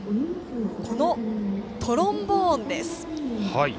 このトロンボーンです。